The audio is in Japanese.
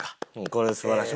これ素晴らしい。